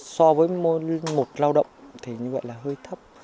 so với một lao động thì như vậy là hơi thấp